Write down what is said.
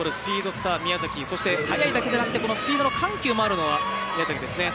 スター宮崎そして速いだけじゃなくてスピードの緩急があるのが宮崎ですね。